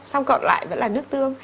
xong cộng lại vẫn là nước tương